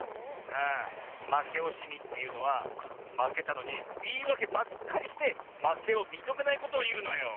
ああまけおしみっていうのはまけたのにいいわけばっかりしてまけをみとめないことをいうのよ。